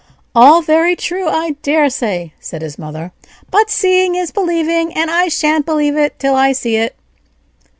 "All very true, I daresay," said his mother; "but seeing is believing, and I shan't believe it till I see it."